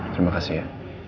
terima kasih ya